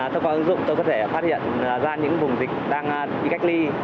theo các ứng dụng tôi có thể phát hiện ra những vùng dịch đang bị cách ly